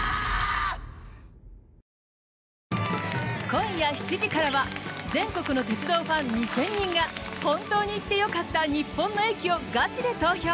今夜７時からは全国の鉄道ファン２０００人が本当に行ってよかった日本の駅をガチで投票！